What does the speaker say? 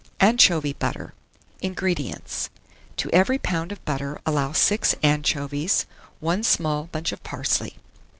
ANCHOVY BUTTER. 1637. INGREDIENTS. To every lb. of butter allow 6 anchovies, 1 small bunch of parsley.